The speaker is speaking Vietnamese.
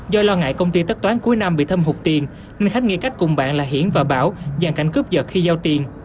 do lo ngại công ty tất toán cuối năm bị thâm hụt tiền nên khách nghĩa cách cùng bạn là hiển và bảo giàn cảnh cướp giật khi giao tiền